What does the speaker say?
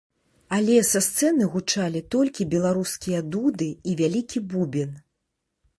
Але са сцэны гучалі толькі беларускія дуды і вялікі бубен!